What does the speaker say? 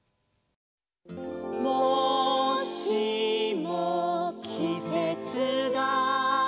「もしもきせつが」